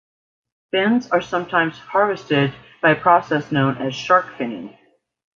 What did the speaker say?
Fins are sometimes harvested by a process known as shark finning.